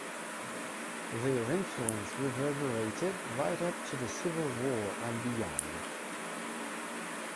Their influence reverberated right up to the Civil War and beyond.